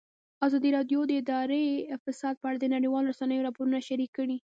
ازادي راډیو د اداري فساد په اړه د نړیوالو رسنیو راپورونه شریک کړي.